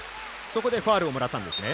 そこでファウルをもらったんですね。